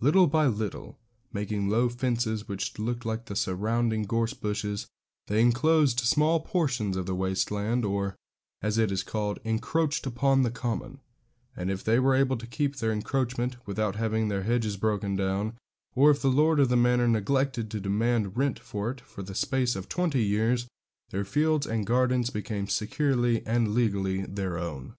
Little by little, making low fences which looked like the surrounding gorse bushes, they enclosed small portions of the waste land, or, as it is called, encroached upon the common; and if they were able to keep their encroachment without having their hedges broken down, or if the lord of the manor neglected to demand rent for it for the space of twenty years, their fields and gardens became securely and legally their own.